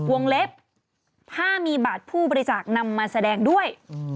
วงเล็บถ้ามีบัตรผู้บริจาคนำมาแสดงด้วย